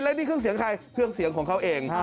แล้วนี่เครื่องเสียงใครเครื่องเสียงของเขาเอง